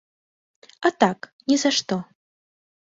А так, ні за што.